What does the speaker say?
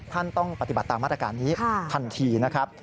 ต้องปฏิบัติตามมาตรการนี้ทันทีนะครับ